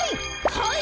はい！